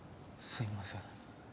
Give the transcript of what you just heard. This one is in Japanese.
すいません。